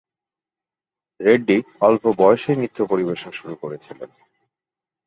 রেড্ডি অল্প বয়সেই নৃত্য পরিবেশন শুরু করেছিলেন।